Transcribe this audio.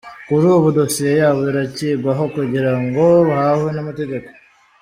Kuri ubu dosiye yabo irakigwaho kugira ngo bahanwe n’amategeko.